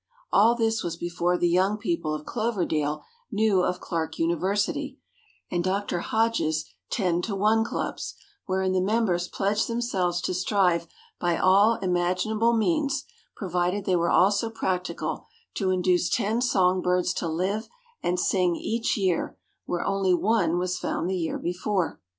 All this was before the young people of Cloverdale knew of Clark University, and Dr. Hodges' "Ten to One Clubs," wherein the members pledged themselves to strive by all imaginable means—provided they were also practical—to induce ten song birds to live and sing each year, where only one was found the year before.